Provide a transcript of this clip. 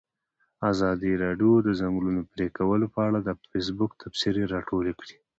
ازادي راډیو د د ځنګلونو پرېکول په اړه د فیسبوک تبصرې راټولې کړي.